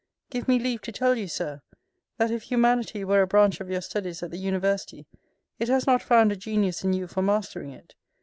Give me leave to tell you, Sir, that if humanity were a branch of your studies at the university, it has not found a genius in you for mastering it.